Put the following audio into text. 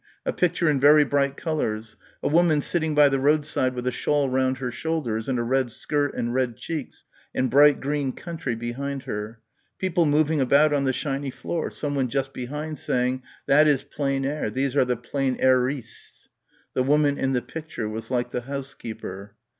a picture in very bright colours ... a woman sitting by the roadside with a shawl round her shoulders and a red skirt and red cheeks and bright green country behind her ... people moving about on the shiny floor, someone just behind saying, "that is plein air, these are the plein airistes" the woman in the picture was like the housekeeper....